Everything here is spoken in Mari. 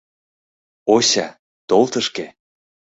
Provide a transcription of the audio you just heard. Ося, тол тышке!